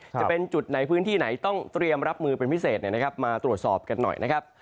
จะเป็นจุดไหนพื้นที่ไหนต้องเตรียมรับมือเป็นพิเศษมาตรวจสอบกันหน่อยนะครับ